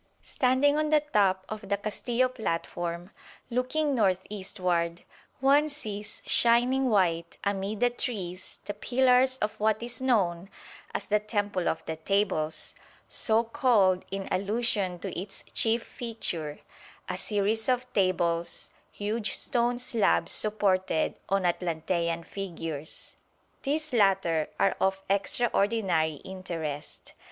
Standing on the top of the Castillo platform, looking northeastward, one sees shining white amid the trees the pillars of what is known as the Temple of the Tables, so called in allusion to its chief feature, a series of tables, huge stone slabs supported on Atlantean figures. These latter are of extraordinary interest.